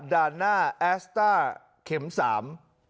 ด้านหน้าแอสต้าเข็มสาม